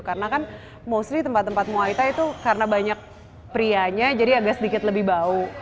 karena kan mostly tempat tempat muay thai itu karena banyak prianya jadi agak sedikit lebih bau